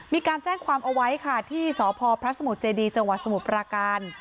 มีการแจ้งความเอาไว้ค่ะที่สพพระสมุทรเจดีจังหวัดสมุทรปราการ